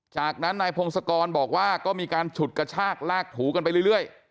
จากนั้นนายพงศกรบอกว่าก็มีการฉุดกระชากลากถูกันไปเรื่อย